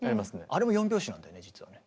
あれも４拍子なんだよね実はね。